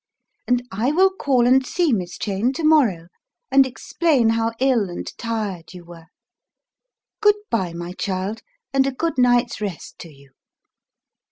And I will call and see Miss Cheyne to morrow and explain how ill and tired you were. Good bye, my child, and a good night's rest to you."